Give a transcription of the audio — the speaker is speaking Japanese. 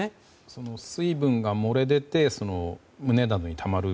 その水分が漏れ出て胸などにたまる。